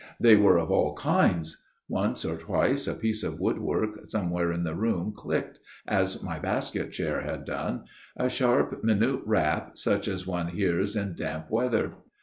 They were of all kinds. Once or twice a piece of woodwork somewhere in the room clicked, as my basket chair had done a sharp minute rap such as one hears in damp weather.